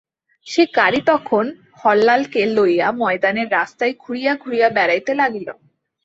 সে গাড়ি তখন হরলালকে লইলা ময়দানের রাস্তায় ঘুরিয়া ঘুরিয়া বেড়াইতে লাগিল ।